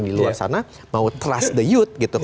di luar sana mau percayai dengan